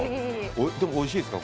おいしいですか？